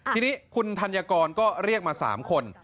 ทีนี้คุณธัญกรก็เรียกมา๓คน